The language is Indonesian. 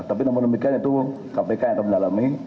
tapi namun demikian itu kpk yang akan mendalami